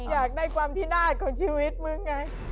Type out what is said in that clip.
อยากได้ความพินาศของชีวิตมึงไง